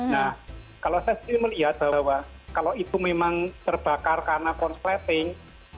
nah kalau saya sendiri melihat bahwa kalau itu memang terbakar karena konsleting